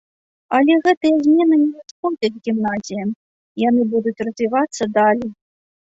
Але гэтыя змены не нашкодзяць гімназіям, яны будуць развівацца далей.